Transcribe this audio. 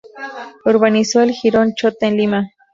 Urbanizó el Jirón Chota en Lima.